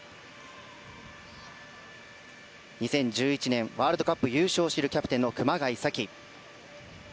２０１１年ワールドカップ優勝を知るキャプテンの熊谷紗希。